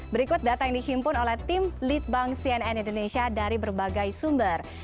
berikut data yang dihimpun oleh tim lead bank cnn indonesia dari berbagai sumber